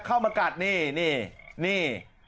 เข้ามากัดนี่นี่นี่